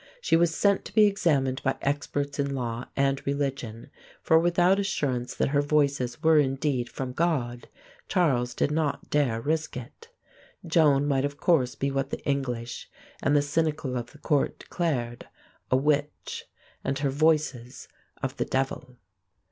She was sent to be examined by experts in law and religion; for without assurance that her Voices were indeed from God Charles did not dare risk it. Joan might of course be what the English and the cynical of the court declared, a witch and her Voices of the devil.